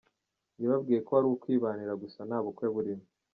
Yababwiye ko ari ukwibanira gusa, nta bukwe burimo.